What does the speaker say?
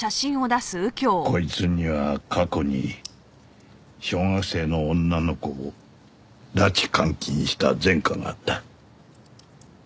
こいつには過去に小学生の女の子を拉致・監禁した前科があった。